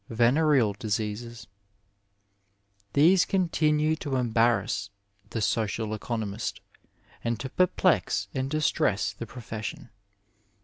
Venered Diseases. — ^These continue to embanass the social economist and to perplex and distress the profession.